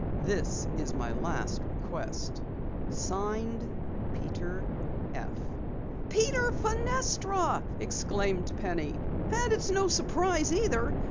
This is my last request. Peter F. "Peter Fenestra!" exclaimed Penny. "And it's no surprise either!